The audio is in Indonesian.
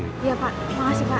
iya pak makasih pak